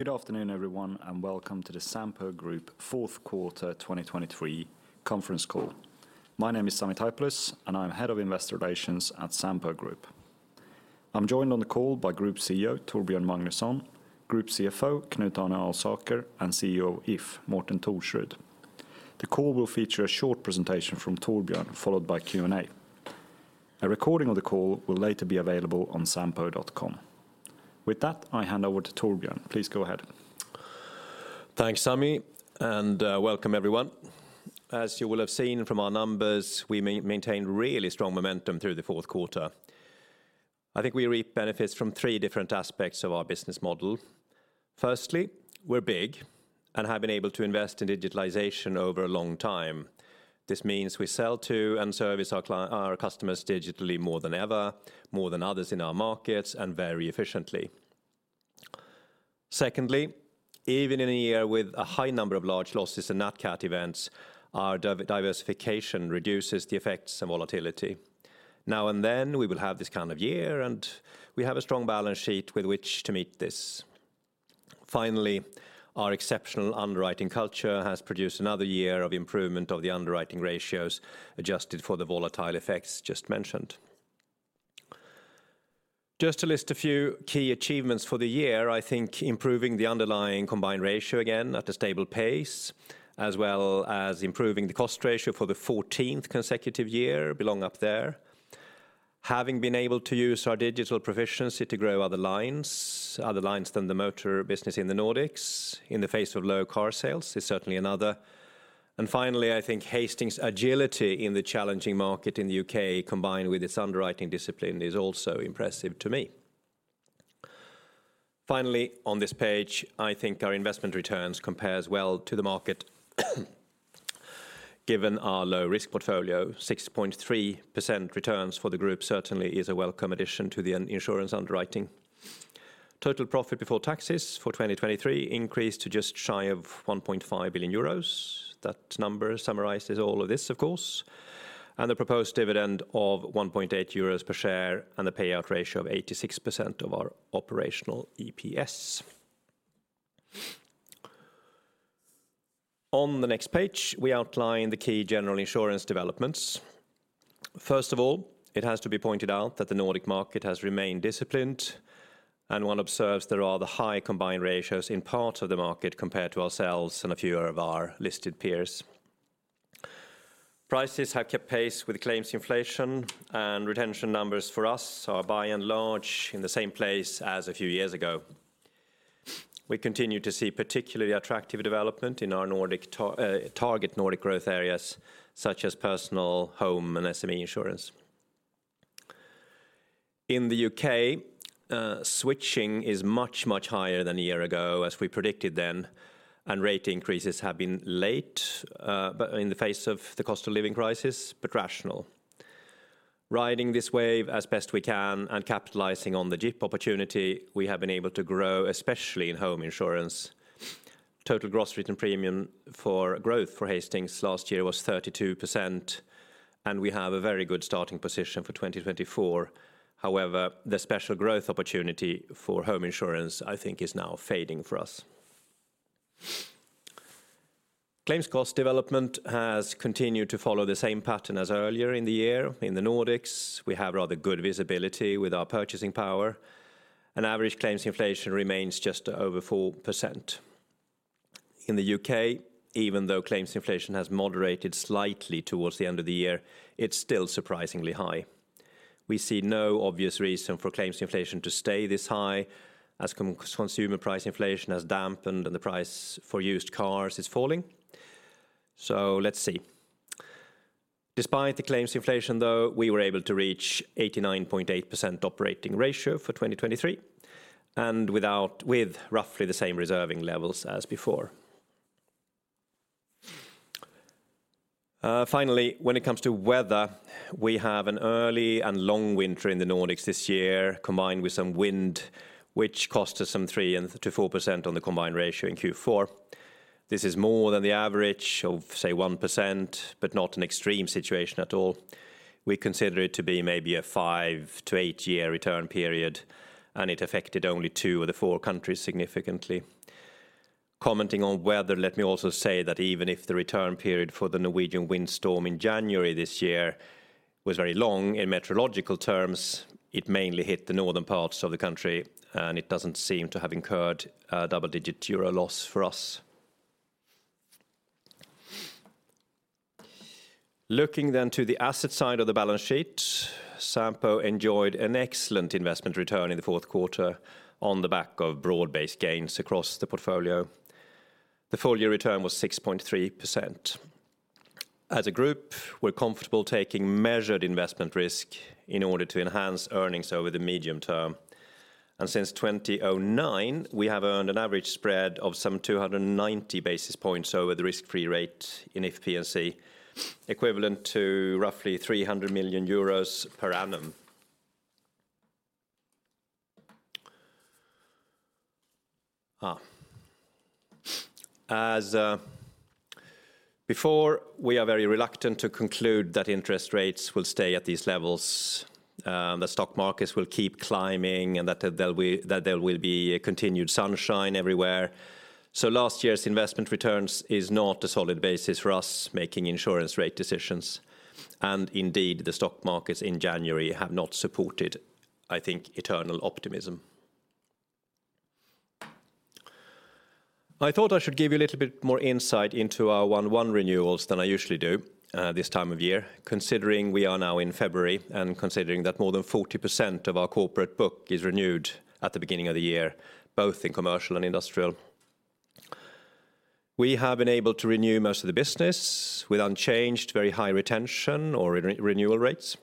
Good afternoon, everyone, and welcome to the Sampo Group Fourth Quarter 2023 Conference Call. My name is Sami Taipalus, and I'm Head of Investor Relations at Sampo Group. I'm joined on the call by Group CEO, Torbjörn Magnusson, Group CFO, Knut Arne Alsaker, and CEO If, Morten Thorsrud. The call will feature a short presentation from Torbjörn, followed by Q&A. A recording of the call will later be available on sampo.com. With that, I hand over to Torbjörn. Please go ahead. Thanks, Sami, and welcome everyone. As you will have seen from our numbers, we maintained really strong momentum through the fourth quarter. I think we reap benefits from three different aspects of our business model. Firstly, we're big and have been able to invest in digitalization over a long time. This means we sell to and service our customers digitally more than ever, more than others in our markets, and very efficiently. Secondly, even in a year with a high number of large losses and nat cat events, our diversification reduces the effects and volatility. Now and then, we will have this kind of year, and we have a strong balance sheet with which to meet this. Finally, our exceptional underwriting culture has produced another year of improvement of the underwriting ratios, adjusted for the volatile effects just mentioned. Just to list a few key achievements for the year, I think improving the underlying combined ratio again at a stable pace, as well as improving the cost ratio for the fourteenth consecutive year, belong up there. Having been able to use our digital proficiency to grow other lines, other lines than the motor business in the Nordics, in the face of low car sales, is certainly another. Finally, I think Hastings' agility in the challenging market in the UK, combined with its underwriting discipline, is also impressive to me. Finally, on this page, I think our investment returns compares well to the market, given our low risk portfolio, 6.3% returns for the group certainly is a welcome addition to the insurance underwriting. Total profit before taxes for 2023 increased to just shy of 1.5 billion euros. That number summarizes all of this, of course, and the proposed dividend of 1.8 euros per share, and the payout ratio of 86% of our operational EPS. On the next page, we outline the key general insurance developments. First of all, it has to be pointed out that the Nordic market has remained disciplined, and one observes there are the high combined ratios in part of the market compared to ourselves and a few of our listed peers. Prices have kept pace with claims inflation, and retention numbers for us are by and large in the same place as a few years ago. We continue to see particularly attractive development in our Nordic target Nordic growth areas, such as personal, home, and SME insurance. In the U.K., switching is much, much higher than a year ago, as we predicted then, and rate increases have been late, but in the face of the cost of living crisis, but rational. Riding this wave as best we can and capitalizing on the GIPP opportunity, we have been able to grow, especially in home insurance. Total gross written premium for growth for Hastings last year was 32%, and we have a very good starting position for 2024. However, the special growth opportunity for home insurance, I think, is now fading for us. Claims cost development has continued to follow the same pattern as earlier in the year. In the Nordics, we have rather good visibility with our purchasing power, and average claims inflation remains just over 4%. In the UK, even though claims inflation has moderated slightly towards the end of the year, it's still surprisingly high. We see no obvious reason for claims inflation to stay this high, as consumer price inflation has dampened, and the price for used cars is falling. So let's see. Despite the claims inflation, though, we were able to reach 89.8% operating ratio for 2023, and with roughly the same reserving levels as before. Finally, when it comes to weather, we have an early and long winter in the Nordics this year, combined with some wind, which cost us some 3%-4% on the combined ratio in Q4. This is more than the average of, say, 1%, but not an extreme situation at all. We consider it to be maybe a five to eight year return period, and it affected only two of the four countries significantly. Commenting on weather, let me also say that even if the return period for the Norwegian windstorm in January this year was very long in meteorological terms, it mainly hit the northern parts of the country, and it doesn't seem to have incurred a double-digit EUR loss for us. Looking then to the asset side of the balance sheet, Sampo enjoyed an excellent investment return in the fourth quarter on the back of broad-based gains across the portfolio. The full year return was 6.3%. As a group, we're comfortable taking measured investment risk in order to enhance earnings over the medium term. Since 2009, we have earned an average spread of some 290 basis points over the risk-free rate in If P&C, equivalent to roughly 300 million euros per annum. As before, we are very reluctant to conclude that interest rates will stay at these levels, the stock markets will keep climbing, and that there will be a continued sunshine everywhere. Last year's investment returns is not a solid basis for us making insurance rate decisions, and indeed, the stock markets in January have not supported, I think, eternal optimism. I thought I should give you a little bit more insight into our Q1 renewals than I usually do, this time of year, considering we are now in February and considering that more than 40% of our corporate book is renewed at the beginning of the year, both in commercial and industrial. We have been able to renew most of the business with unchanged, very high retention or renewal rates.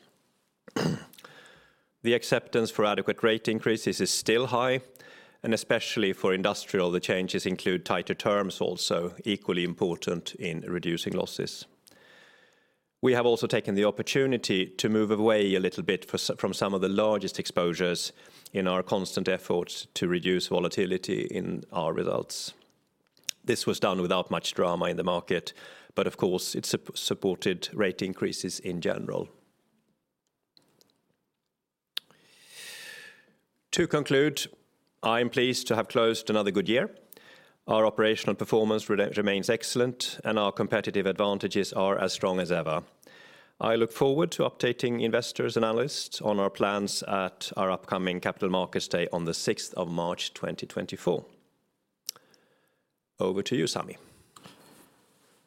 The acceptance for adequate rate increases is still high, and especially for industrial, the changes include tighter terms, also equally important in reducing losses. We have also taken the opportunity to move away a little bit from some of the largest exposures in our constant efforts to reduce volatility in our results. This was done without much drama in the market, but of course, it supported rate increases in general. To conclude, I am pleased to have closed another good year. Our operational performance remains excellent, and our competitive advantages are as strong as ever. I look forward to updating investors, analysts on our plans at our upcoming Capital Markets Day on the sixth of March, 2024. Over to you, Sami.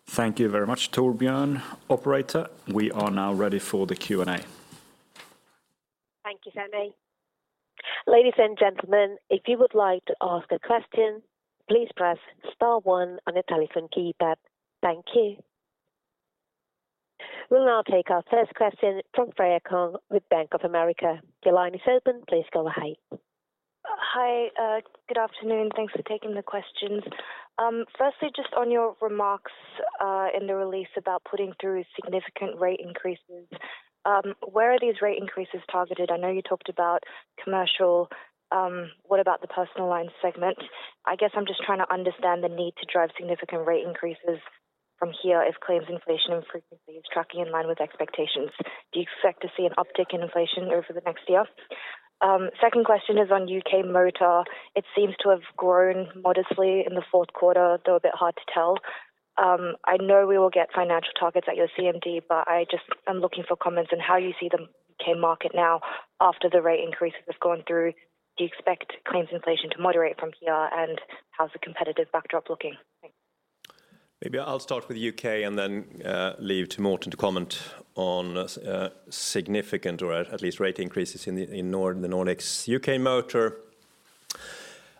Thank you very much, Torbjörn. Operator, we are now ready for the Q&A. Thank you, Sami. Ladies and gentlemen, if you would like to ask a question, please press star one on your telephone keypad. Thank you. We'll now take our first question from Freya Kong with Bank of America. Your line is open. Please go ahead. Hi, good afternoon. Thanks for taking the questions. Firstly, just on your remarks, in the release about putting through significant rate increases, where are these rate increases targeted? I know you talked about commercial. What about the personal line segment? I guess I'm just trying to understand the need to drive significant rate increases from here as claims inflation and frequency is tracking in line with expectations. Do you expect to see an uptick in inflation over the next year? Second question is on UK motor. It seems to have grown modestly in the fourth quarter, though a bit hard to tell. I know we will get financial targets at your CMD, but I just- I'm looking for comments on how you see the UK market now after the rate increases have gone through. Do you expect claims inflation to moderate from here, and how's the competitive backdrop looking? Thanks. Maybe I'll start with UK and then leave to Morten to comment on significant or at least rate increases in the Nordics. UK motor,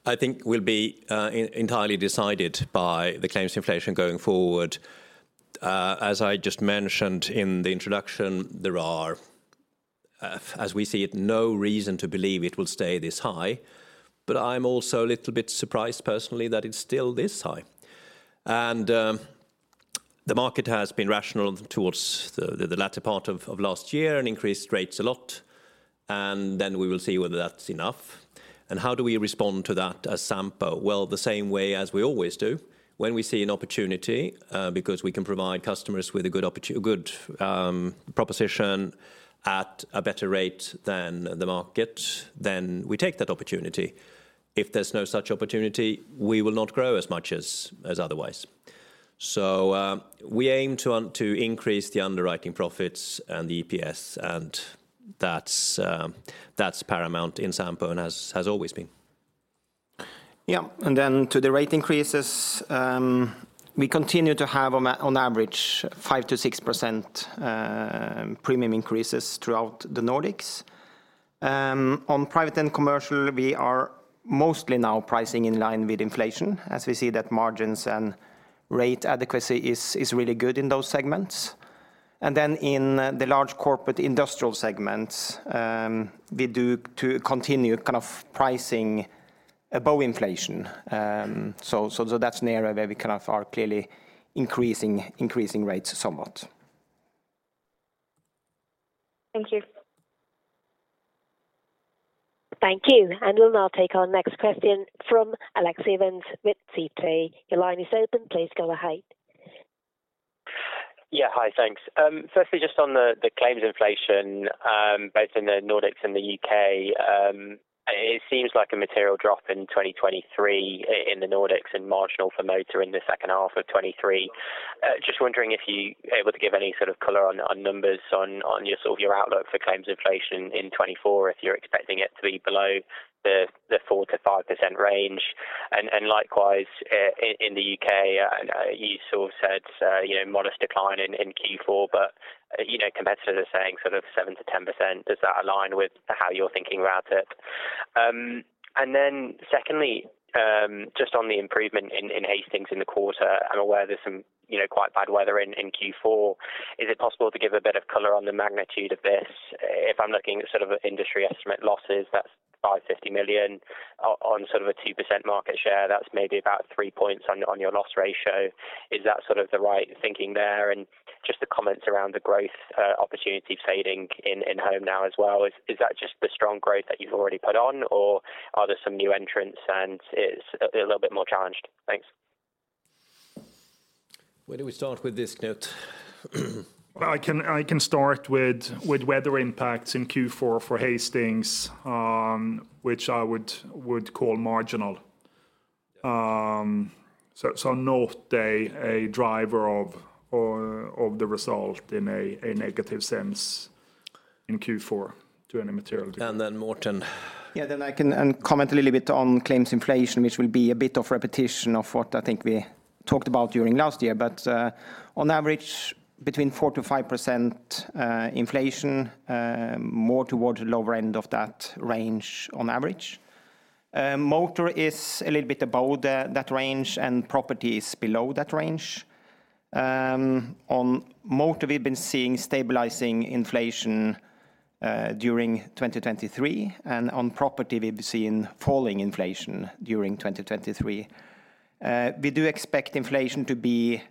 I think will be entirely decided by the claims inflation going forward. As I just mentioned in the introduction, there are, as we see it, no reason to believe it will stay this high, but I'm also a little bit surprised personally that it's still this high. And the market has been rational towards the latter part of last year and increased rates a lot, and then we will see whether that's enough. And how do we respond to that as Sampo? Well, the same way as we always do. When we see an opportunity, because we can provide customers with a good proposition at a better rate than the market, then we take that opportunity. If there's no such opportunity, we will not grow as much as otherwise. So, we aim to increase the underwriting profits and the EPS, and that's paramount in Sampo and has always been. Yeah, and then to the rate increases, we continue to have on average 5%-6% premium increases throughout the Nordics. On private and commercial, we are mostly now pricing in line with inflation as we see that margins and rate adequacy is really good in those segments. And then in the large corporate industrial segments, we do to continue kind of pricing above inflation. So that's an area where we kind of are clearly increasing rates somewhat. Thank you. Thank you. We'll now take our next question from Alex Evans with Citi. Your line is open, please go ahead. Yeah. Hi, thanks. Firstly, just on the claims inflation, both in the Nordics and the UK, it seems like a material drop in 2023 in the Nordics and marginal for motor in the second half of 2023. Just wondering if you are able to give any sort of color on numbers on your outlook for claims inflation in 2024, if you're expecting it to be below the 4%-5% range. And likewise, in the UK, you sort of said, you know, modest decline in Q4, but, you know, competitors are saying sort of 7%-10%. Does that align with how you're thinking about it? And then secondly, just on the improvement in Hastings in the quarter, I'm aware there's some, you know, quite bad weather in Q4. Is it possible to give a bit of color on the magnitude of this? If I'm looking at sort of industry estimate losses, that's 550 million on sort of a 2% market share, that's maybe about three points on your loss ratio. Is that sort of the right thinking there? And just the comments around the growth opportunity fading in home now as well. Is that just the strong growth that you've already put on, or are there some new entrants and it's a little bit more challenged? Thanks. ...Where do we start with this, Knut? I can start with weather impacts in Q4 for Hastings, which I would call marginal. So, not a driver of the result in a negative sense in Q4 to any material. And then, Morten. Yeah, then I can comment a little bit on claims inflation, which will be a bit of repetition of what I think we talked about during last year. But on average, between 4%-5% inflation, more towards the lower end of that range on average. Motor is a little bit above that range, and property is below that range. On motor, we've been seeing stabilizing inflation during 2023, and on property, we've seen falling inflation during 2023. We do expect inflation to be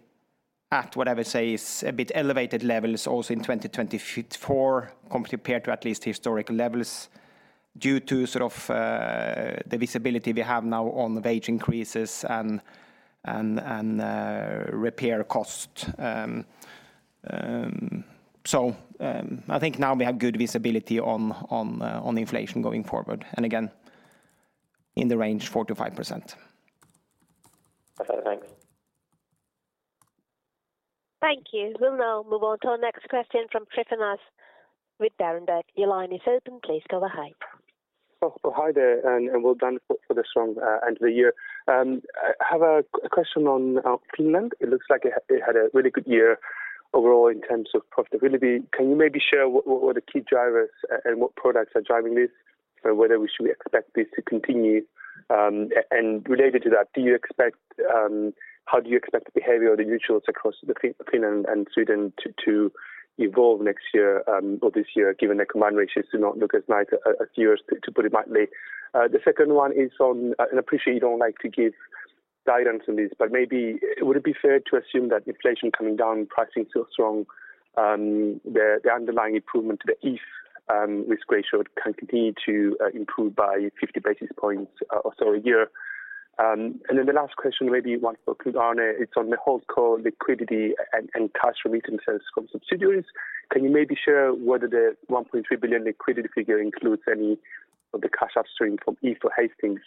at what I would say is a bit elevated levels also in 2024, compared to at least historical levels, due to sort of the visibility we have now on the wage increases and repair cost. I think now we have good visibility on inflation going forward, and again, in the range 4%-5%. Okay, thanks. Thank you. We'll now move on to our next question from Tryfonas with Berenberg. Your line is open. Please go ahead. Oh, hi there, and well done for the strong end of the year. I have a question on Finland. It looks like it had a really good year overall in terms of profitability. Can you maybe share what were the key drivers and what products are driving this? So, whether we should expect this to continue and, related to that, how do you expect the behavior of the mutuals across Finland and Sweden to evolve next year or this year, given the combined ratios do not look as nice as yours, to put it mildly? The second one is on, and I appreciate you don't like to give guidance on this, but maybe would it be fair to assume that inflation coming down, pricing so strong, the, the underlying improvement to the If, risk ratio can continue to, improve by 50 basis points or so a year? And then the last question, maybe one for Knut Arne, it's on the whole core liquidity and, and cash from return from subsidiaries. Can you maybe share whether the 1.3 billion liquidity figure includes any of the cash upstream from If or Hastings,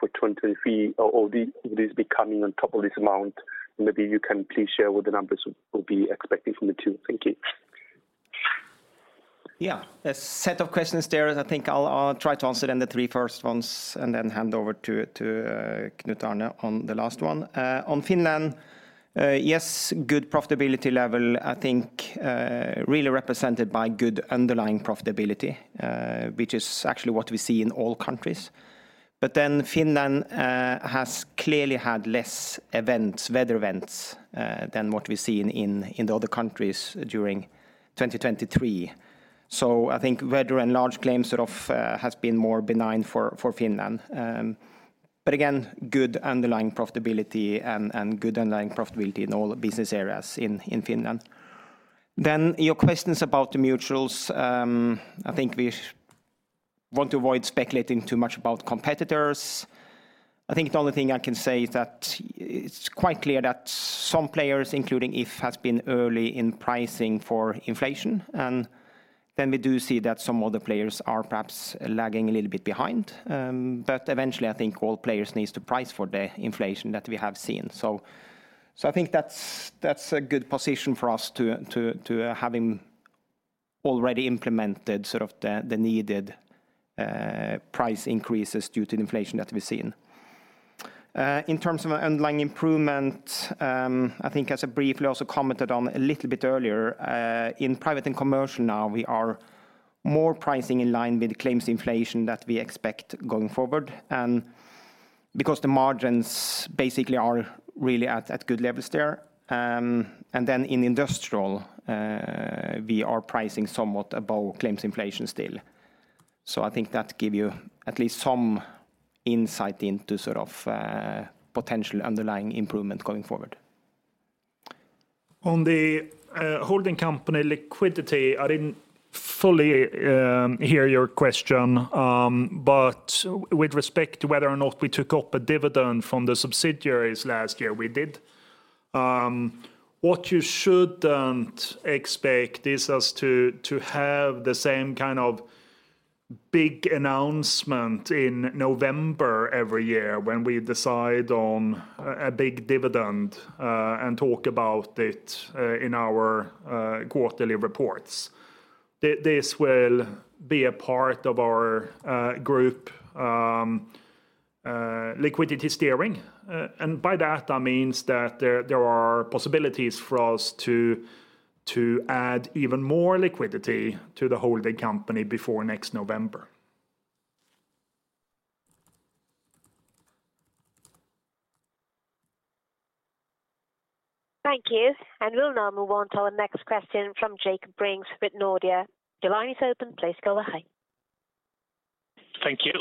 for 2023, or, or this be coming on top of this amount? And maybe you can please share what the numbers we'll be expecting from the two. Thank you. Yeah. A set of questions there, and I think I'll try to answer them, the three first ones, and then hand over to Knut-Arne on the last one. On Finland, yes, good profitability level, I think, really represented by good underlying profitability, which is actually what we see in all countries. But then Finland has clearly had less events, weather events, than what we've seen in the other countries during 2023. So I think weather and large claims sort of has been more benign for Finland. But again, good underlying profitability and good underlying profitability in all business areas in Finland. Then your questions about the mutuals, I think we want to avoid speculating too much about competitors. I think the only thing I can say is that it's quite clear that some players, including If, has been early in pricing for inflation. And then we do see that some other players are perhaps lagging a little bit behind. But eventually, I think all players needs to price for the inflation that we have seen. So, I think that's a good position for us to having already implemented sort of the needed price increases due to inflation that we've seen. In terms of underlying improvement, I think as I briefly also commented on a little bit earlier, in private and commercial now, we are more pricing in line with the claims inflation that we expect going forward, and because the margins basically are really at good levels there. And then in industrial, we are pricing somewhat above claims inflation still. So I think that give you at least some insight into sort of, potential underlying improvement going forward. On the holding company liquidity, I didn't fully hear your question, but with respect to whether or not we took up a dividend from the subsidiaries last year, we did. What you shouldn't expect is us to have the same kind of big announcement in November every year when we decide on a big dividend and talk about it in our quarterly reports. This will be a part of our group liquidity steering. And by that, that means that there are possibilities for us to add even more liquidity to the holding company before next November. Thank you. We'll now move on to our next question from Jakob Brink with Nordea. Your line is open. Please go ahead. Thank you.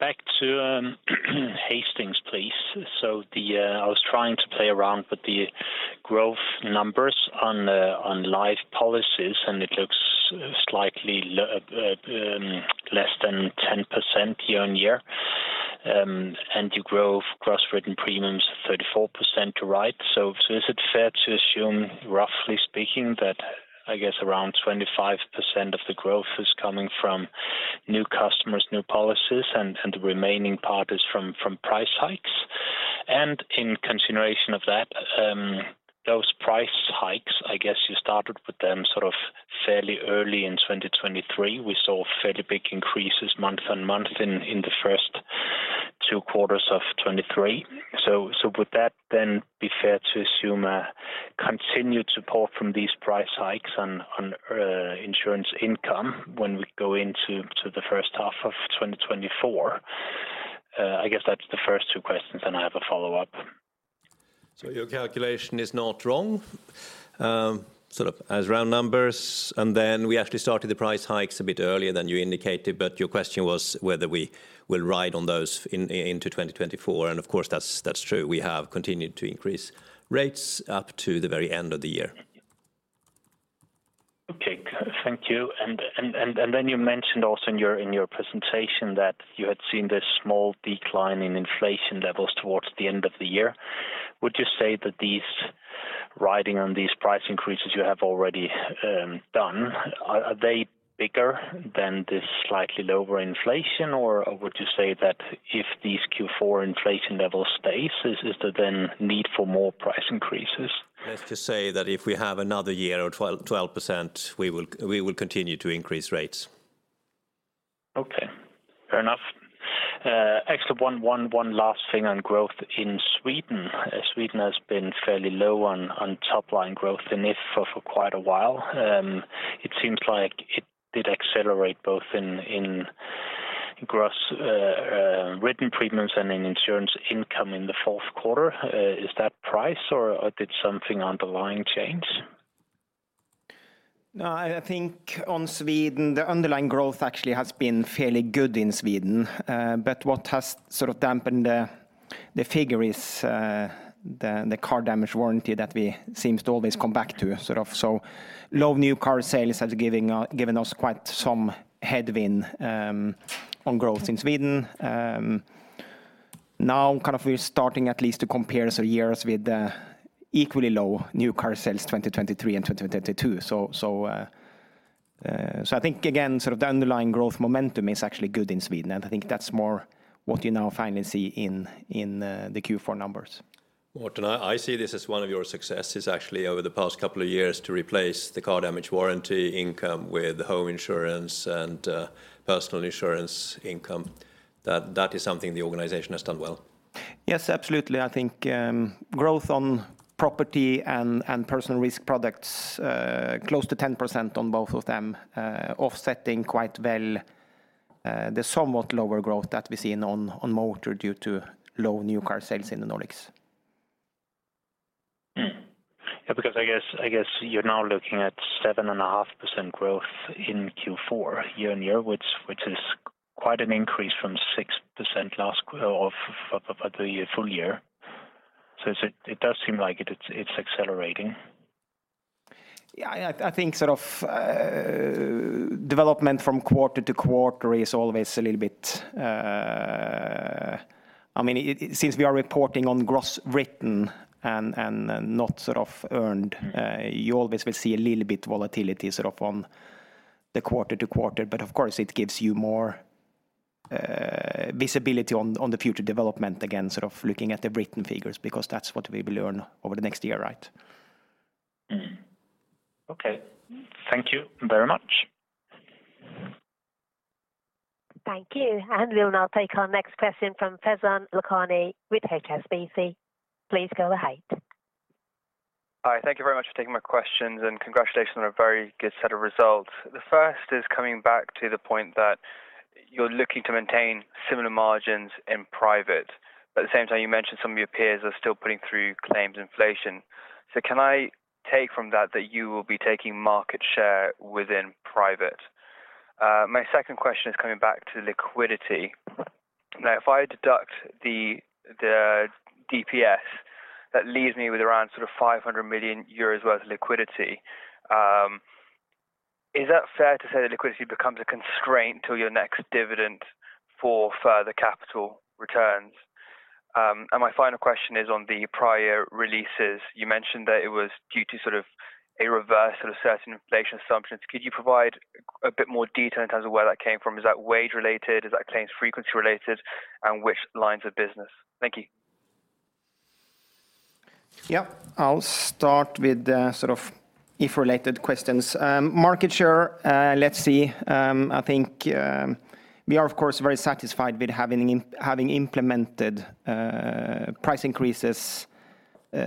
Back to Hastings, please. So, I was trying to play around with the growth numbers on live policies, and it looks slightly less than 10% year-on-year. And your growth gross written premiums 34% too, right. So, is it fair to assume, roughly speaking, that I guess around 25% of the growth is coming from new customers, new policies, and the remaining part is from price hikes? And in consideration of that, those price hikes, I guess you started with them sort of fairly early in 2023. We saw fairly big increases month-on-month in the first two quarters of 2023. Would that then be fair to assume a continued support from these price hikes on insurance income when we go into the first half of 2024? I guess that's the first two questions, and I have a follow-up. So your calculation is not wrong. Sort of as round numbers, and then we actually started the price hikes a bit earlier than you indicated, but your question was whether we will ride on those into 2024, and of course, that's true. We have continued to increase rates up to the very end of the year. Okay, thank you. And then you mentioned also in your presentation that you had seen this small decline in inflation levels towards the end of the year. Would you say that these, riding on these price increases you have already done, are they bigger than this slightly lower inflation? Or would you say that if these Q4 inflation level stays, is there then need for more price increases? Let's just say that if we have another year or twelve percent, we will, we will continue to increase rates. Okay, fair enough. Actually, one last thing on growth in Sweden. Sweden has been fairly low on top line growth in If for quite a while. It seems like it did accelerate both in gross written premiums and in insurance income in the fourth quarter. Is that price or did something underlying change? No, I think on Sweden, the underlying growth actually has been fairly good in Sweden. But what has sort of dampened the figure is the car damage warranty that we seems to always come back to sort of. So low new car sales has given us quite some headwind on growth in Sweden. Now, kind of we're starting at least to compare sort of years with the equally low new car sales, 2023 and 2022. So I think again, sort of the underlying growth momentum is actually good in Sweden, and I think that's more what you now finally see in the Q4 numbers. Morten, I see this as one of your successes actually over the past couple of years, to replace the car damage warranty income with home insurance and personal insurance income. That is something the organization has done well. Yes, absolutely. I think, growth on property and personal risk products, close to 10% on both of them, offsetting quite well, the somewhat lower growth that we see on motor due to low new car sales in the Nordics. Mm-hmm. Yeah, because I guess you're now looking at 7.5% growth in Q4 year-on-year, which is quite an increase from 6% last quarter of the full year. So it does seem like it's accelerating. Yeah, I think sort of, development from quarter to quarter is always a little bit... I mean, it, since we are reporting on gross written and not sort of earned, you always will see a little bit volatility sort of on the quarter to quarter. But of course, it gives you more, visibility on, the future development, again, sort of looking at the written figures, because that's what we will earn over the next year, right? Mm-hmm. Okay. Thank you very much. Thank you. We will now take our next question from Faizan Lakhani with HSBC. Please go ahead. Hi, thank you very much for taking my questions, and congratulations on a very good set of results. The first is coming back to the point that you're looking to maintain similar margins in private, but at the same time, you mentioned some of your peers are still putting through claims inflation. So can I take from that, that you will be taking market share within private? My second question is coming back to liquidity. Now, if I deduct the DPS, that leaves me with around sort of 500 million euros worth of liquidity. Is that fair to say that liquidity becomes a constraint to your next dividend for further capital returns? And my final question is on the prior releases. You mentioned that it was due to sort of a reverse of certain inflation assumptions. Could you provide a bit more detail in terms of where that came from? Is that wage related, is that claims frequency related, and which lines of business? Thank you. Yeah. I'll start with the sort of If related questions. Market share, let's see. I think we are of course very satisfied with having implemented price increases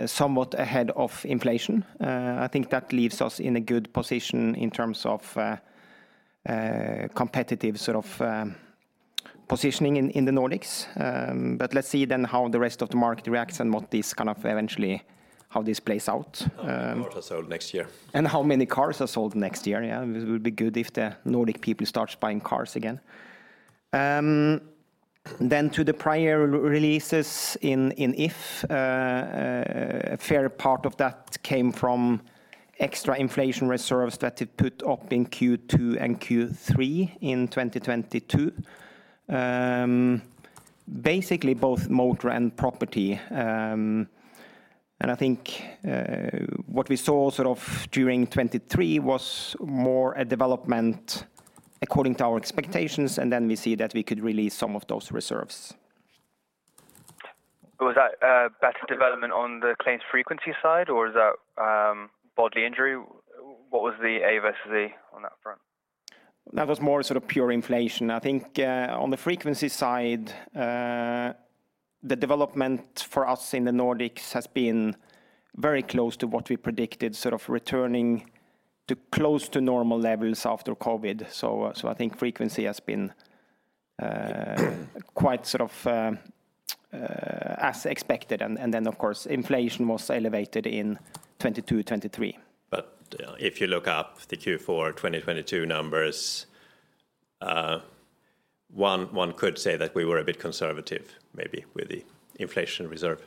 somewhat ahead of inflation. I think that leaves us in a good position in terms of competitive sort of positioning in the Nordics. But let's see then how the rest of the market reacts and what this kind of eventually how this plays out. How many cars are sold next year? How many cars are sold next year. Yeah, it would be good if the Nordic people start buying cars again. Then, to the prior releases in If, a fair part of that came from extra inflation reserves that it put up in Q2 and Q3 in 2022. Basically, both motor and property. And I think what we saw sort of during 2023 was more a development according to our expectations, and then we see that we could release some of those reserves. Was that better development on the claims frequency side, or is that body injury? What was the A versus the on that front? That was more sort of pure inflation. I think, on the frequency side, the development for us in the Nordics has been very close to what we predicted, sort of returning to close to normal levels after COVID. So, I think frequency has been, quite sort of, as expected. And, then, of course, inflation was elevated in 2022, 2023. If you look up the Q4 2022 numbers, one could say that we were a bit conservative, maybe with the inflation reserve.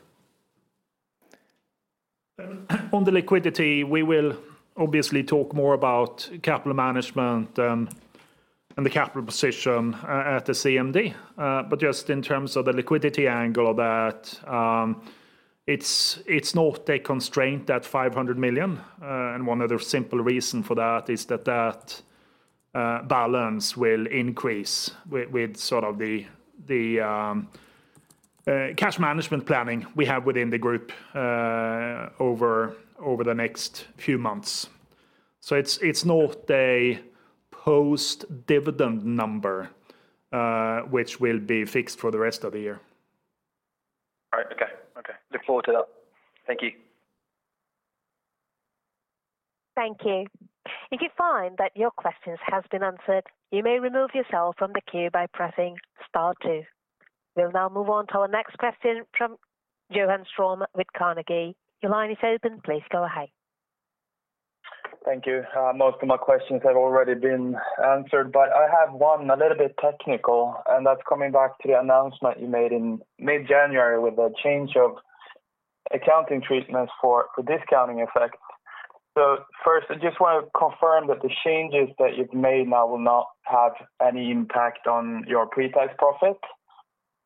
On the liquidity, we will obviously talk more about capital management and the capital position at the CMD. But just in terms of the liquidity angle of that, it's not a constraint, that 500 million. And one other simple reason for that is that balance will increase with sort of the cash management planning we have within the group over the next few months. So it's not a post-dividend number which will be fixed for the rest of the year. All right. Okay. Okay. Look forward to that. Thank you. Thank you. If you find that your question has been answered, you may remove yourself from the queue by pressing Star two. We'll now move on to our next question from Johan Ström with Carnegie. Your line is open. Please go ahead. Thank you. Most of my questions have already been answered, but I have one a little bit technical, and that's coming back to the announcement you made in mid-January with the change of accounting treatments for the discounting effect. So first, I just want to confirm that the changes that you've made now will not have any impact on your pre-tax profit.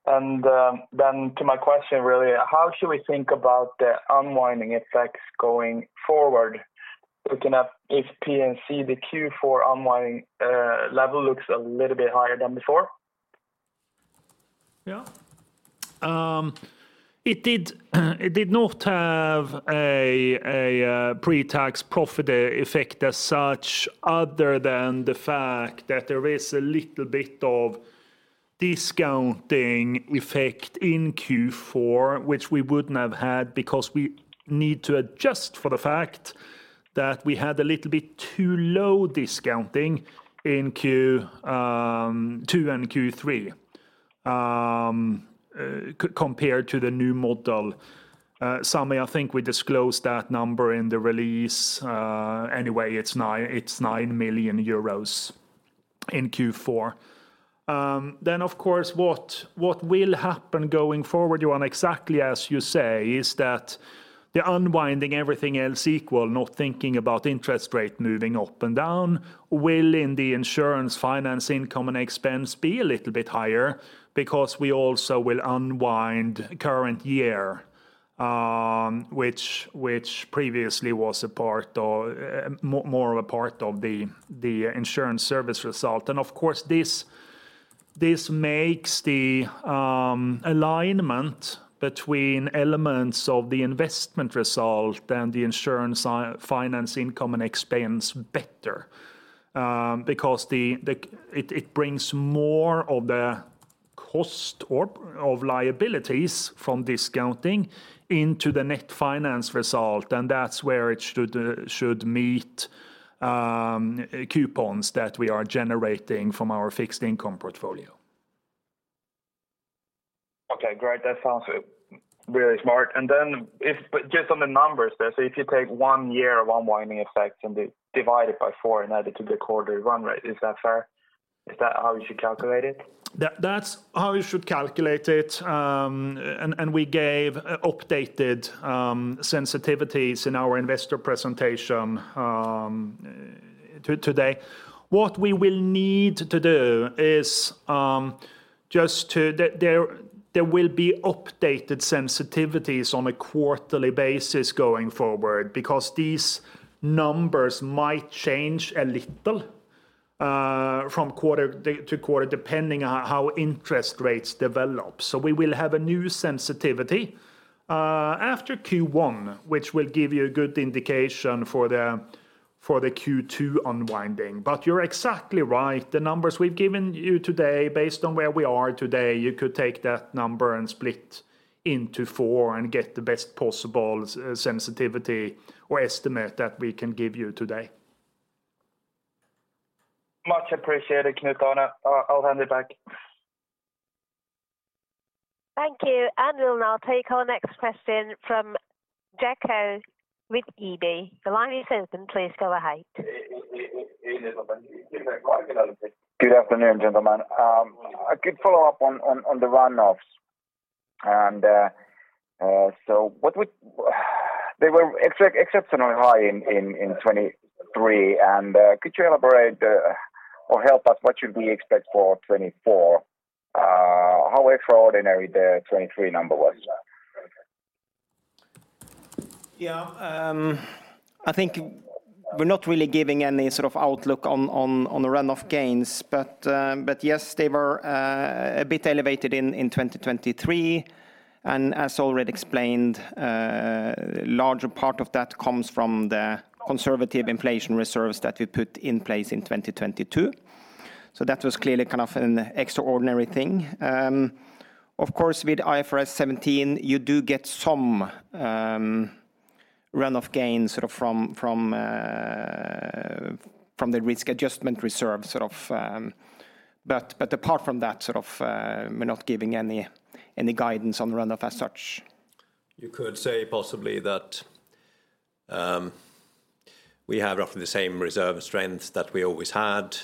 And, then to my question, really, how should we think about the unwinding effects going forward? Looking at If P&C, the Q4 unwinding level looks a little bit higher than before? Yeah. It did, it did not have a pre-tax profit effect as such, other than the fact that there is a little bit of discounting effect in Q4, which we wouldn't have had, because we need to adjust for the fact that we had a little bit too low discounting in Q2 and Q3, compared to the new model. Sami, I think we disclosed that number in the release. Anyway, it's 9, it's 9 million euros in Q4. Then, of course, what will happen going forward, Johan, exactly as you say, is that the unwinding everything else equal, not thinking about interest rate moving up and down, will in the insurance finance income and expense be a little bit higher because we also will unwind current year, which previously was a part or more of a part of the insurance service result. And of course, this makes the alignment between elements of the investment result and the insurance finance income and expense better, because the... It brings more of the cost or of liabilities from discounting into the net finance result, and that's where it should meet coupons that we are generating from our fixed income portfolio. Okay, great. That sounds really smart. Then if, but just on the numbers there, so if you take one year of unwinding effect and divide it by four in order to get quarterly run rate, is that fair? Is that how you should calculate it? That, that's how you should calculate it, and we gave updated sensitivities in our investor presentation today. What we will need to do is just to... There will be updated sensitivities on a quarterly basis going forward, because these numbers might change a little from quarter to quarter, depending on how interest rates develop. So we will have a new sensitivity after Q1, which will give you a good indication for the Q2 unwinding. But you're exactly right. The numbers we've given you today, based on where we are today, you could take that number and split into four and get the best possible sensitivity or estimate that we can give you today. Much appreciated, Knut-Arne. I'll hand it back. Thank you. We'll now take our next question from Jaakko with SEB The line is open, please go ahead. Good afternoon, gentlemen. A quick follow-up on the runoffs. So what would... They were exceptionally high in 2023, and could you elaborate or help us, what should we expect for 2024? How extraordinary the 2023 number was? Yeah, I think we're not really giving any sort of outlook on the run-off gains. But yes, they were a bit elevated in 2023, and as already explained, larger part of that comes from the conservative inflation reserves that we put in place in 2022. So that was clearly kind of an extraordinary thing. Of course, with IFRS 17, you do get some run-off gains, sort of, from the risk adjustment reserve, sort of... But apart from that, sort of, we're not giving any guidance on the run-off as such. You could say possibly that we have roughly the same reserve strength that we always had.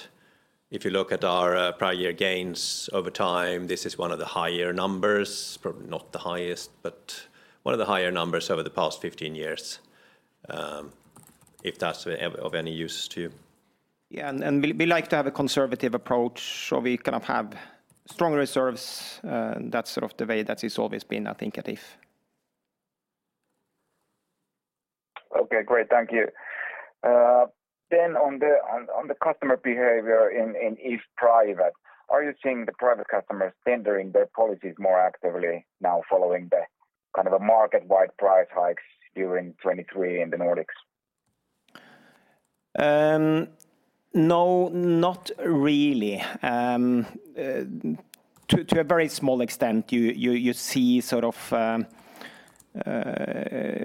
If you look at our prior year gains over time, this is one of the higher numbers, probably not the highest, but one of the higher numbers over the past 15 years, if that's of any use to you. Yeah, we like to have a conservative approach, so we kind of have strong reserves. That's sort of the way that it's always been, I think, at If. Okay, great. Thank you. Then on the customer behavior in If Private, are you seeing the private customers tendering their policies more actively now, following the kind of a market-wide price hikes during 2023 in the Nordics? No, not really. To a very small extent, you see sort of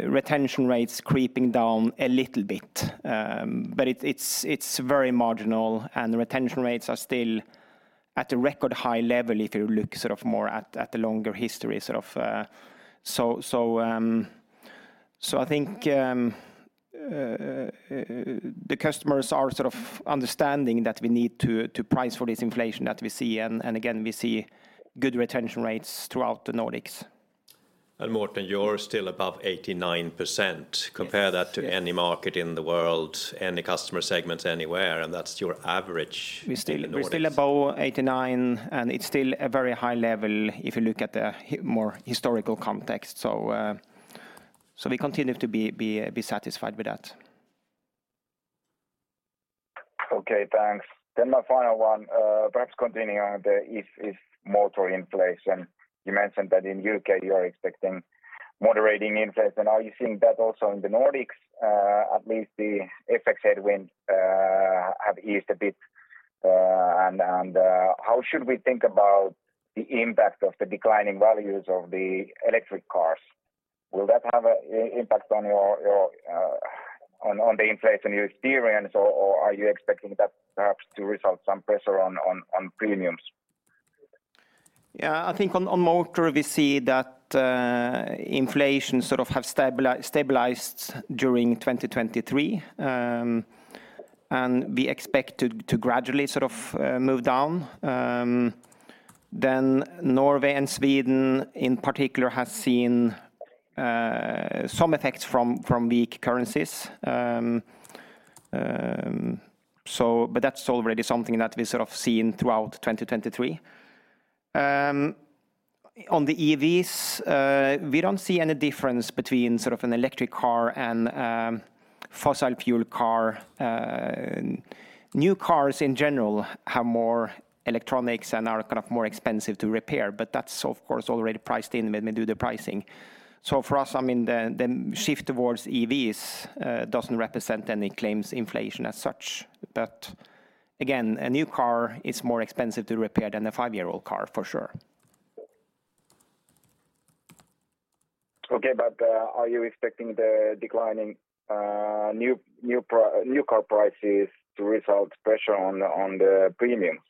retention rates creeping down a little bit. But it's very marginal, and the retention rates are still at a record high level, if you look sort of more at the longer history, sort of. So, I think the customers are sort of understanding that we need to price for this inflation that we see, and again, we see good retention rates throughout the Nordics. Morten, you're still above 89%. Yes. Compare that to any market in the world, any customer segments anywhere, and that's your average- We're still, we're still above 89%, and it's still a very high level if you look at the more historical context. So, so we continue to be satisfied with that. Okay, thanks. Then my final one, perhaps continuing on the If, If motor inflation. You mentioned that in UK you are expecting moderating inflation. Are you seeing that also in the Nordics? At least the FX headwind have eased a bit. And, how should we think about the impact of the declining values of the electric cars? Will that have a impact on your, on the inflation you experience, or are you expecting that perhaps to result some pressure on premiums? Yeah, I think on, on motor, we see that inflation sort of have stabilized during 2023, and we expect it to gradually sort of move down. Then Norway and Sweden, in particular, has seen some effects from weak currencies. But that's already something that we sort of seen throughout 2023. On the EVs, we don't see any difference between sort of an electric car and fossil fuel car. New cars in general have more electronics and are kind of more expensive to repair, but that's, of course, already priced in when we do the pricing. So for us, I mean, the shift towards EVs doesn't represent any claims inflation as such. But again, a new car is more expensive to repair than a five-year-old car, for sure. Okay. But, are you expecting the declining new car prices to result pressure on the premiums?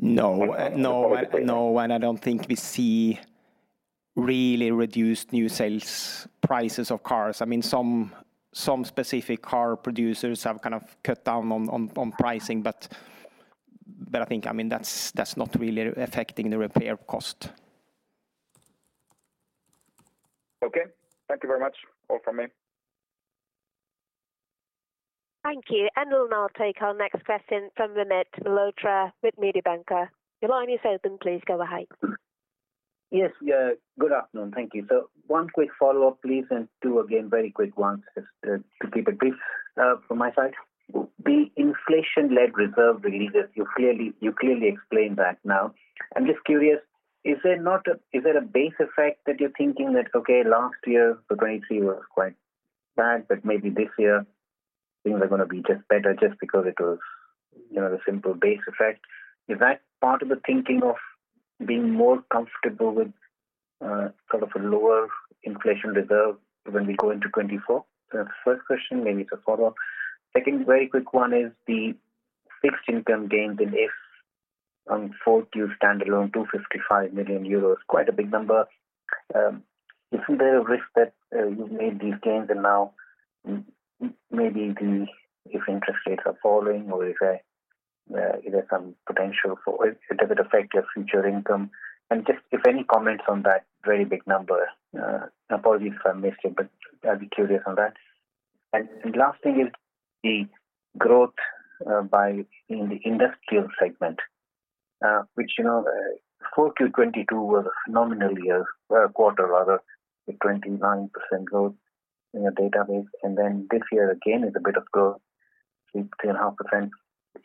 No. And- No, no, and I don't think we see really reduced new sales prices of cars. I mean, some specific car producers have kind of cut down on pricing, but I think, I mean, that's not really affecting the repair cost. Okay. Thank you very much. All from me. Thank you. And we'll now take our next question from Vinit Malhotra with Mediobanca. Your line is open, please go ahead. Yes, good afternoon. Thank you. So one quick follow-up, please, and two again, very quick ones, just, to keep it brief, from my side. The inflation-led reserve releases, you clearly, you clearly explained that now. I'm just curious, Is there a base effect that you're thinking that, okay, last year, 2023 was quite bad, but maybe this year things are gonna be just better just because it was, you know, the simple base effect? Is that part of the thinking of being more comfortable with kind of a lower inflation reserve when we go into 2024? The first question, maybe it's a follow-up. Second very quick one is the fixed income gains in If on 4Q standalone, 255 million euros, quite a big number. Isn't there a risk that you've made these gains and now maybe if interest rates are falling or if there's some potential for it, it doesn't affect your future income? And just if any comments on that very big number, apologies if I missed it, but I'd be curious on that. And last thing is the growth in the industrial segment, which, you know, 4Q 2022 was a phenomenal year, quarter rather, with 29% growth in the BA, and then this year again is a bit of growth, 3%, 2%, and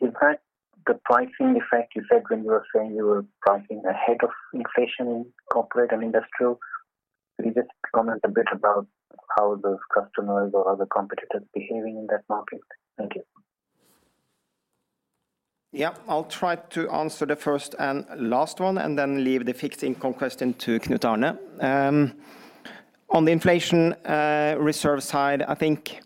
2.5%. Is that the pricing effect you said when you were saying you were pricing ahead of inflation in corporate and industrial? Can you just comment a bit about how those customers or other competitors behaving in that market? Thank you. Yeah, I'll try to answer the first and last one, and then leave the fixed income question to Knut-Arne. On the inflation reserve side, I think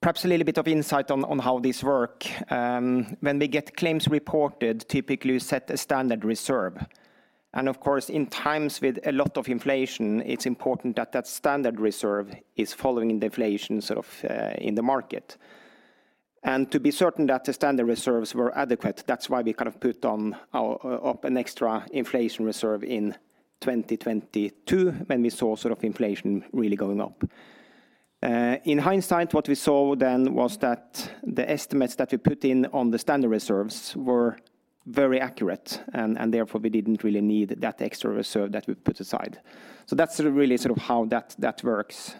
perhaps a little bit of insight on how this works. When we get claims reported, typically we set a standard reserve. And of course, in times with a lot of inflation, it's important that that standard reserve is following the inflation sort of in the market. And to be certain that the standard reserves were adequate, that's why we kind of put up an extra inflation reserve in 2022, when we saw sort of inflation really going up. In hindsight, what we saw then was that the estimates that we put in on the standard reserves were very accurate, and therefore, we didn't really need that extra reserve that we've put aside. So that's sort of really how that works.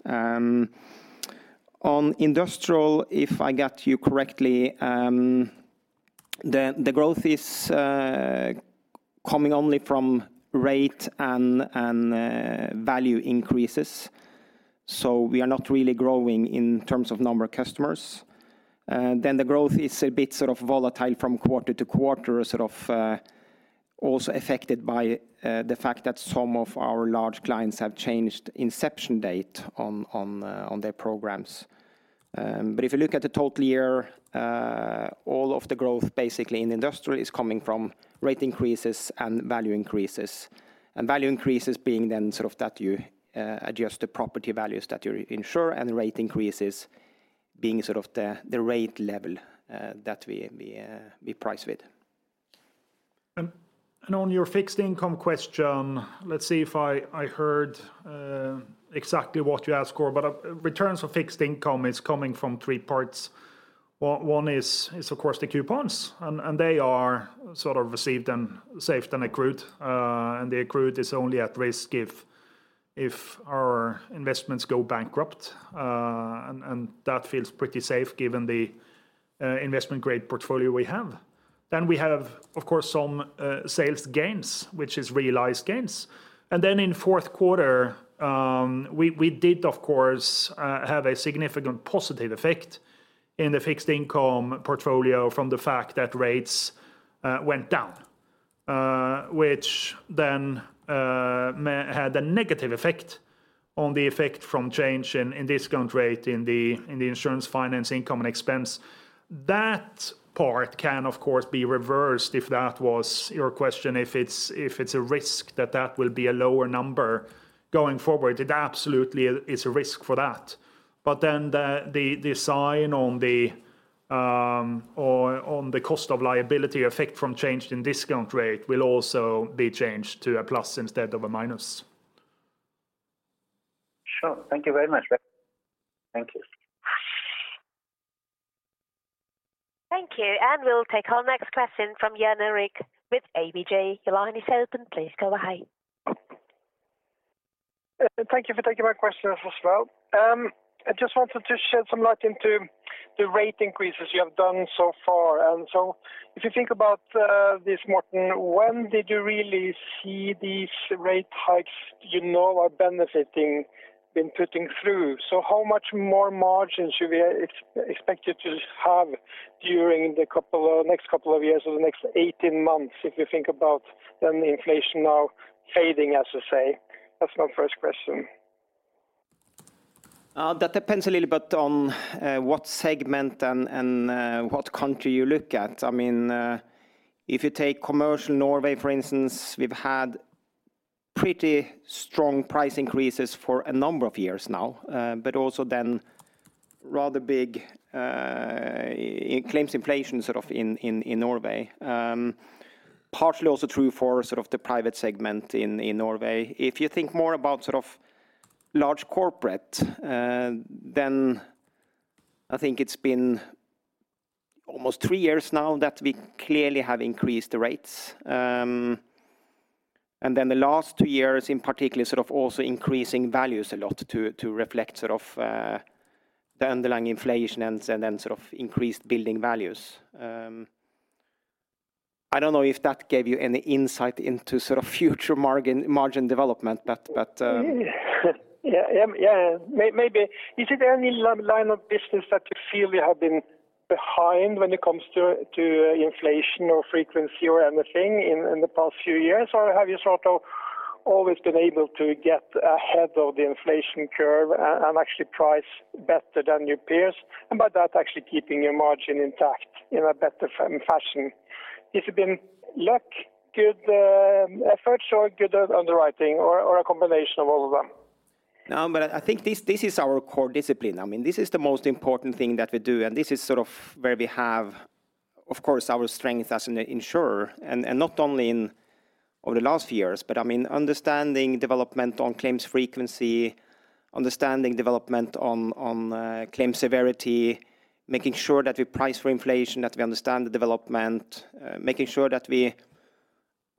On Industrial, if I got you correctly, the growth is coming only from rate and value increases, so we are not really growing in terms of number of customers. Then the growth is a bit sort of volatile from quarter to quarter, sort of, also affected by the fact that some of our large clients have changed inception date on their programs. But if you look at the total year, all of the growth basically in Industrial is coming from rate increases and value increases. And value increases being then sort of that you adjust the property values that you insure, and the rate increases being sort of the rate level that we price with. And on your fixed income question, let's see if I heard exactly what you asked for, but returns for fixed income is coming from three parts. one is, of course, the coupons, and they are sort of received and saved and accrued, and the accrued is only at risk if our investments go bankrupt, and that feels pretty safe given the investment grade portfolio we have. Then we have, of course, some sales gains, which is realized gains. And then in fourth quarter, we did, of course, have a significant positive effect in the fixed income portfolio from the fact that rates went down, which then may had a negative effect on the effect from change in discount rate in the insurance finance income and expense. That part can, of course, be reversed, if that was your question, if it's a risk that that will be a lower number going forward, it absolutely is a risk for that. But then the sign on the cost of liability effect from change in discount rate will also be changed to a plus instead of a minus. Sure. Thank you very much. Thank you. Thank you, and we'll take our next question from Jan Erik with ABG. Your line is open, please go ahead. Thank you for taking my questions as well. I just wanted to shed some light into the rate increases you have done so far. If you think about this, Morten, when did you really see these rate hikes you know are benefiting been putting through? So how much more margin should we expect you to have during the next couple of years or the next 18 months, if you think about then the inflation now fading, as you say? That's my first question. That depends a little bit on what segment and what country you look at. I mean, if you take commercial Norway, for instance, we've had pretty strong price increases for a number of years now, but also then rather big claims inflation sort of in Norway. Partially also true for sort of the private segment in Norway. If you think more about sort of large corporate, then I think it's been almost three years now that we clearly have increased the rates. And then the last two years, in particular, sort of also increasing values a lot to reflect sort of the underlying inflation and then sort of increased building values. I don't know if that gave you any insight into sort of future margin development, but Yeah, yeah, maybe. Is it any line of business that you feel you have been behind when it comes to to inflation or frequency or anything in the past few years? Or have you sort of always been able to get ahead of the inflation curve and actually price better than your peers, and by that, actually keeping your margin intact in a better fashion? It's been luck, good efforts, or good underwriting, or a combination of all of them? No, but I think this, this is our core discipline. I mean, this is the most important thing that we do, and this is sort of where we have, of course, our strength as an insurer. And, and not only in over the last years, but, I mean, understanding development on claims frequency, understanding development on, on claim severity, making sure that we price for inflation, that we understand the development, making sure that we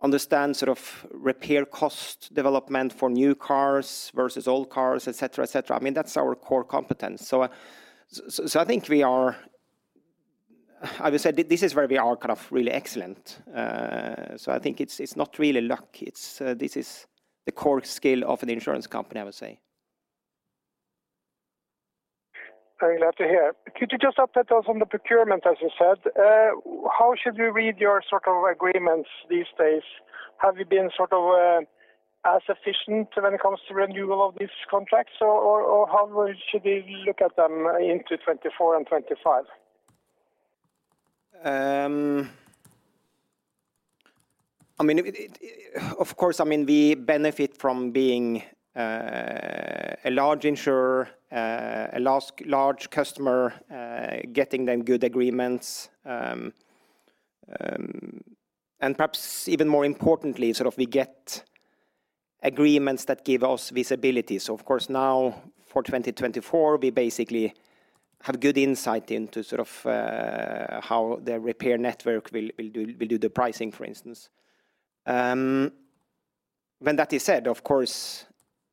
understand sort of repair cost development for new cars versus old cars, et cetera, et cetera. I mean, that's our core competence. So, so, so I think we are. I would say this is where we are kind of really excellent. So I think it's, it's not really luck, it's this is the core skill of an insurance company, I would say. Very glad to hear. Could you just update us on the procurement, as you said? How should we read your sort of agreements these days? Have you been sort of as efficient when it comes to renewal of these contracts? Or how should we look at them into 2024 and 2025? Of course, I mean, we benefit from being a large insurer, a large customer, getting them good agreements. And perhaps even more importantly, sort of we get agreements that give us visibility. So of course, now, for 2024, we basically have good insight into sort of how the repair network will do the pricing, for instance. When that is said, of course,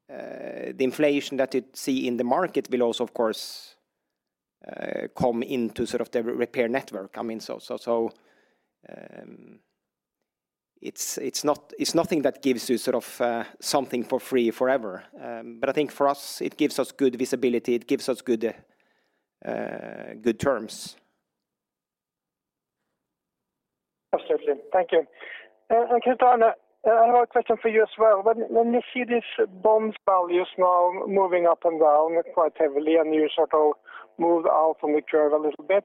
the inflation that you see in the market will also, of course, come into sort of the repair network. I mean, it's not. It's nothing that gives you sort of something for free forever. But I think for us, it gives us good visibility, it gives us good terms. Absolutely. Thank you. And Knut Arne, I have a question for you as well. When you see these bonds values now moving up and down quite heavily, and you sort of move out from the curve a little bit,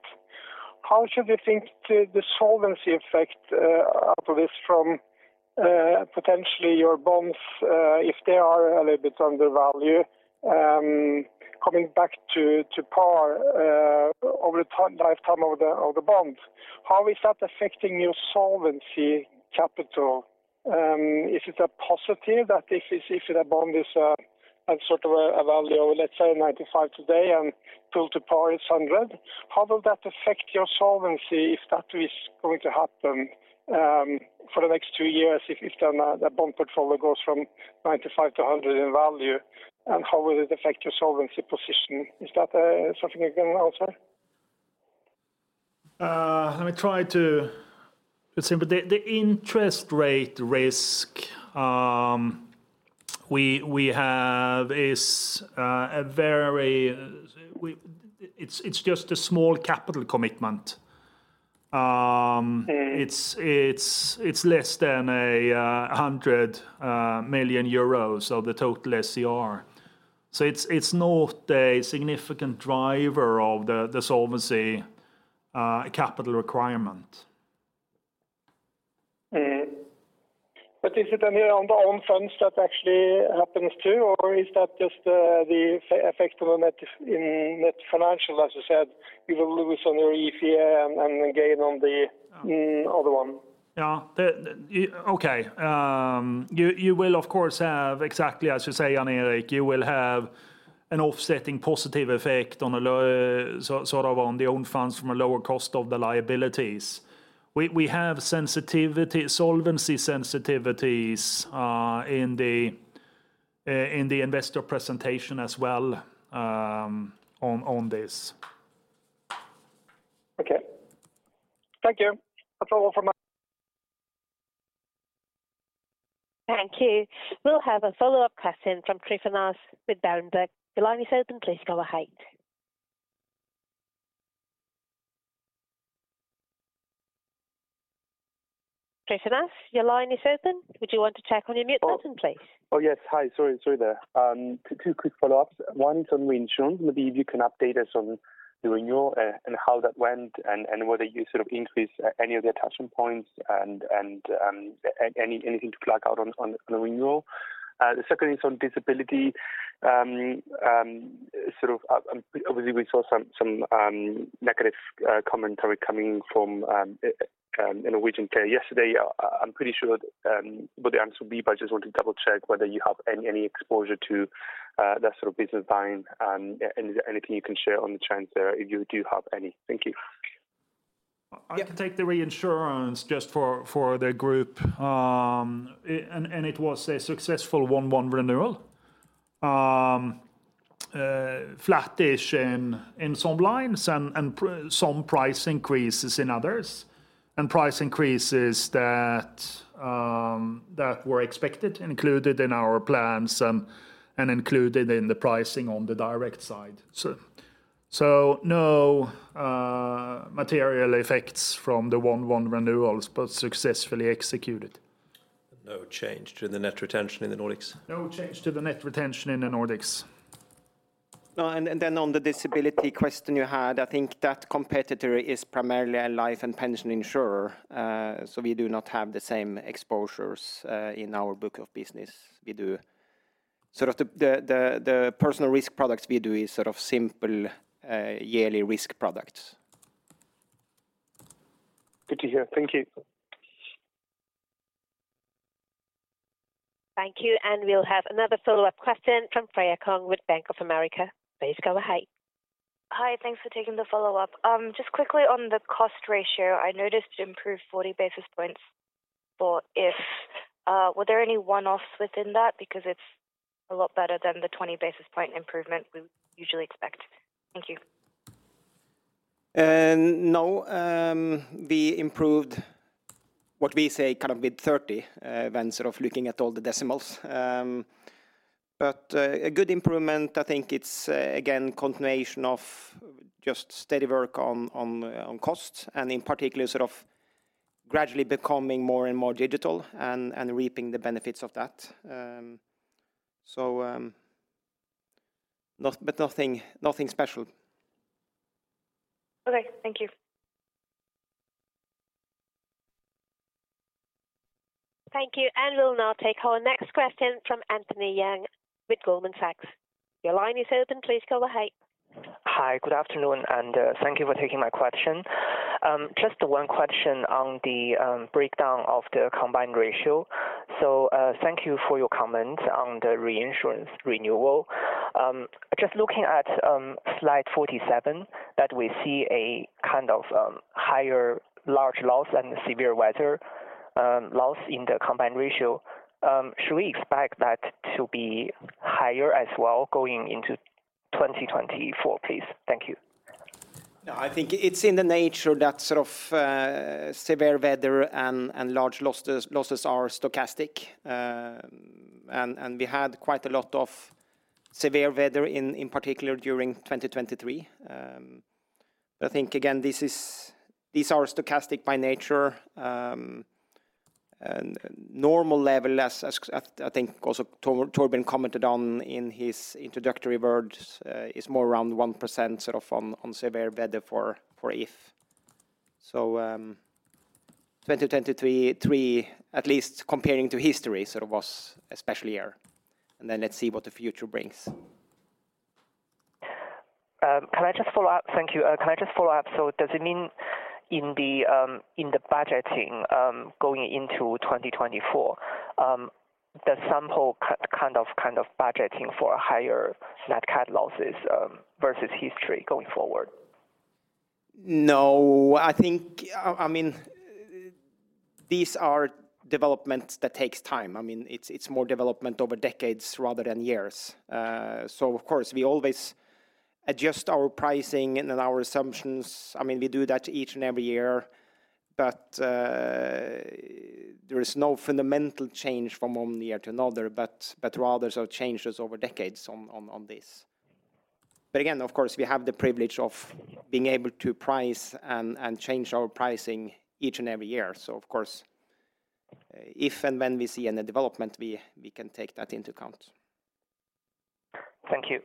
how should we think the solvency effect out of this from potentially your bonds if they are a little bit under value coming back to par over the lifetime of the bonds, how is that affecting your solvency capital? Is it a positive that if it's, if the bond is at sort of a value of, let's say, 95 today and pull to par is 100, how will that affect your solvency if that is going to happen for the next two years, if the bond portfolio goes from 95 to 100 in value, and how will it affect your solvency position? Is that something you can answer? Let me try to... The interest rate risk we have is a very, we... It's just a small capital commitment. It's less than 100 million euros, so the total SCR. So it's not a significant driver of the solvency capital requirement. Mm-hmm. But is it any on the own funds that actually happens, too, or is that just the effect on the net, in net financial? As you said, you will lose on your EPA and gain on the- Yeah... other one. Yeah, okay. You will, of course, have exactly, as you say, Jan Erik, you will have an offsetting positive effect on a – so, sort of on the own funds from a lower cost of the liabilities. We have sensitivity, solvency sensitivities in the investor presentation as well, on this. Okay. Thank you. That's all from my- Thank you. We'll have a follow-up question from Tryfonas with Berenberg. Your line is open. Please go ahead. Tryfonas, your line is open. Would you want to check on your mute button, please? Oh, yes. Hi, sorry. Sorry there. Two quick follow-ups. One is on reinsurance. Maybe if you can update us on the renewal, and how that went, and whether you sort of increased any of the attachment points and anything to flag out on the renewal. The second is on disability. Sort of, obviously, we saw some negative commentary coming from Norwegian Care yesterday. I'm pretty sure what the answer will be, but I just want to double-check whether you have any exposure to that sort of business line, and is there anything you can share on the trends there, if you do have any? Thank you. I can take the reinsurance just for the group. And it was a successful 1/1 renewal. Flat-ish in some lines and some price increases in others. And price increases that were expected, included in our plans and included in the pricing on the direct side. So no material effects from the 1/1 renewals, but successfully executed. No change to the net retention in the Nordics? No change to the net retention in the Nordics. No, and then on the disability question you had, I think that competitor is primarily a life and pension insurer, so we do not have the same exposures in our book of business. We do sort of the personal risk products we do is sort of simple yearly risk products. Good to hear. Thank you. Thank you, and we'll have another follow-up question from Freya Kong with Bank of America. Please go ahead. Hi, thanks for taking the follow-up. Just quickly on the cost ratio, I noticed it improved 40 basis points, but if were there any one-offs within that? Because it's a lot better than the 20 basis point improvement we usually expect. Thank you. No, we improved what we say kind of mid 30, when sort of looking at all the decimals. But a good improvement, I think it's again continuation of just steady work on costs, and in particular, sort of gradually becoming more and more digital and reaping the benefits of that. Nothing special. Okay, thank you. Thank you. We'll now take our next question from Anthony Yang with Goldman Sachs. Your line is open. Please go ahead. Hi, good afternoon, and thank you for taking my question. Just one question on the breakdown of the combined ratio. So thank you for your comment on the reinsurance renewal. Just looking at slide 47, that we see a kind of higher large loss and severe weather loss in the combined ratio. Should we expect that to be higher as well, going into 2024, please? Thank you. No, I think it's in the nature that sort of severe weather and large losses are stochastic. And we had quite a lot of severe weather in particular during 2023. I think again, these are stochastic by nature, and normal level, as I think also Torbjörn commented on in his introductory words, is more around 1%, sort of, on severe weather for If. So, 2023, at least comparing to history, sort of was a special year. And then let's see what the future brings. Can I just follow up? Thank you. Can I just follow up? So does it mean in the, in the budgeting, going into 2024, does Sampo kind of, kind of budgeting for higher net Nat cat losses, versus history going forward? No, I think, I mean, these are developments that takes time. I mean, it's more development over decades rather than years. So of course, we always adjust our pricing and then our assumptions. I mean, we do that each and every year, but there is no fundamental change from one year to another, but rather, so changes over decades on this. But again, of course, we have the privilege of being able to price and change our pricing each and every year. So of course, if and when we see any development, we can take that into account. Thank you.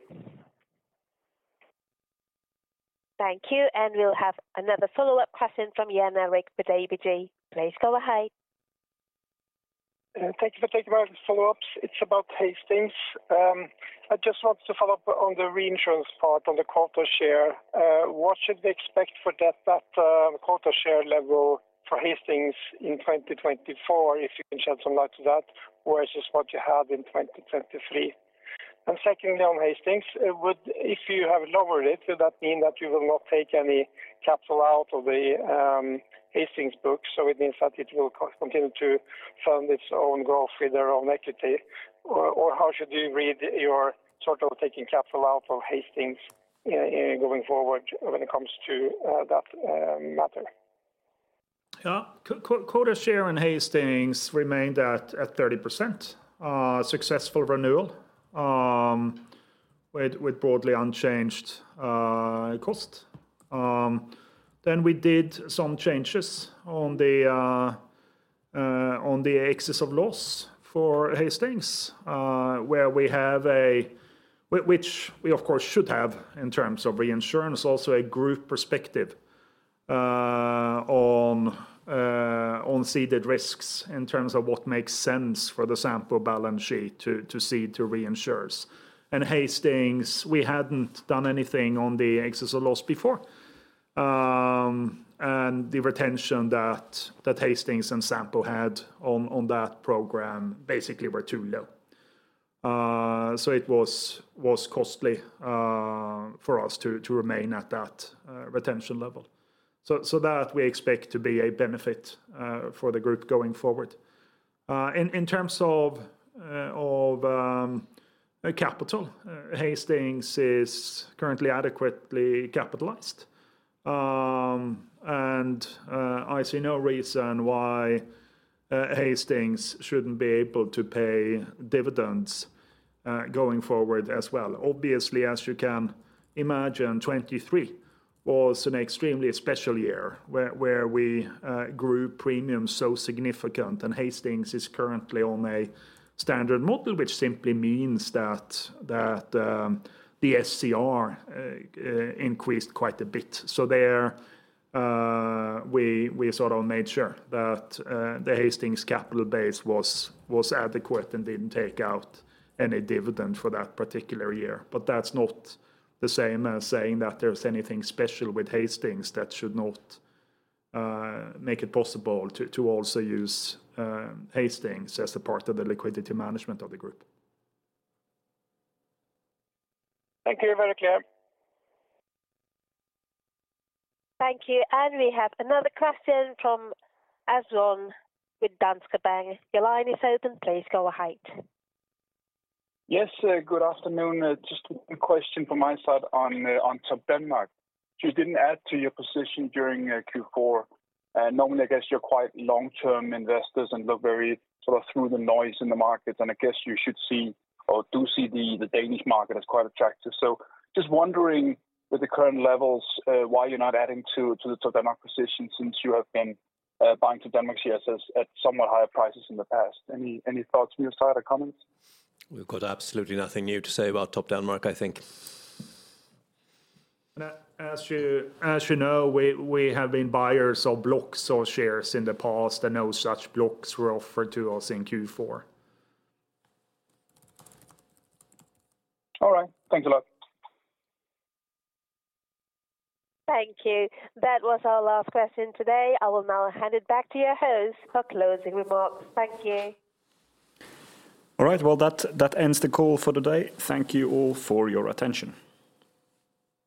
Thank you, and we'll have another follow-up question from Jan Erik with ABG. Please go ahead. Thank you for taking my follow-ups. It's about Hastings. I just wanted to follow up on the reinsurance part, on the quota share. What should we expect for that quota share level for Hastings in 2024, if you can shed some light to that, versus what you had in 2023? And secondly, on Hastings, would—if you have lowered it, would that mean that you will not take any capital out of the Hastings books? So it means that it will continue to fund its own growth with their own equity, or how should you read your sort of taking capital out of Hastings going forward when it comes to that matter? Yeah, quota share in Hastings remained at 30%, successful renewal with broadly unchanged cost. Then we did some changes on the excess of loss for Hastings, where we have a which we, of course, should have in terms of reinsurance, also a group perspective, on ceded risks, in terms of what makes sense for the Sampo balance sheet to cede to reinsurers. And Hastings, we hadn't done anything on the excess of loss before. And the retention that Hastings and Sampo had on that program basically were too low. So it was costly for us to remain at that retention level. So that we expect to be a benefit for the group going forward. In terms of capital, Hastings is currently adequately capitalized. And I see no reason why Hastings shouldn't be able to pay dividends going forward as well. Obviously, as you can imagine, 2023 was an extremely special year where we grew premiums so significant, and Hastings is currently on a standard model, which simply means that the SCR increased quite a bit. So we sort of made sure that the Hastings capital base was adequate and didn't take out any dividend for that particular year. But that's not the same as saying that there's anything special with Hastings that should not make it possible to also use Hastings as a part of the liquidity management of the group. Thank you, very clear. Thank you. We have another question from Asbjørn with Danske Bank. Your line is open. Please go ahead. Yes, good afternoon. Just one question from my side on Topdanmark. You didn't add to your position during Q4, and normally, I guess you're quite long-term investors and look very sort of through the noise in the markets, and I guess you should see or do see the Danish market as quite attractive. So just wondering, with the current levels, why you're not adding to the Topdanmark position since you have been buying Topdanmark shares at somewhat higher prices in the past. Any thoughts from your side or comments? We've got absolutely nothing new to say about Topdanmark, I think. As you know, we have been buyers of blocks or shares in the past, and no such blocks were offered to us in Q4. All right. Thanks a lot. Thank you. That was our last question today. I will now hand it back to your host for closing remarks. Thank you. All right, well, that, that ends the call for today. Thank you all for your attention.